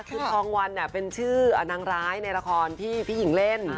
คือทองวันเป็นชื่อนางร้ายในละครที่พี่หญิงเล่น